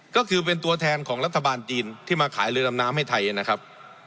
ก็คือเป็นตัวแทนของรัฐบาลจีนที่มาขายเรือดำน้ำให้ไทยนะครับ